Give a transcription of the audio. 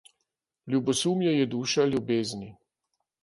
Ljubosumje je duša ljubezni.